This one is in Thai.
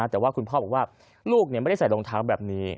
แต่ว่าคุณพ่อบอกว่าลูกไม่ได้ใส่รองเท้าแบบนี้